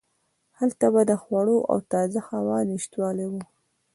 هلته به د خوړو او تازه هوا نشتوالی و.